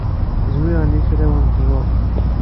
Zwiɣen yiferrawen n ttjur.